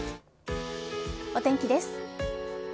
お天気です。